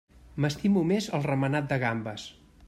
M'estimo més el remenat de gambes.